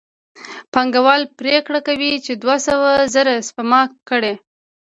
پانګوال پرېکړه کوي چې دوه سوه زره سپما کړي